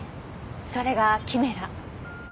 それがキメラ。